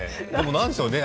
何でしょうね。